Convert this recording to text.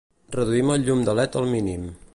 Reduir el llum de led al mínim.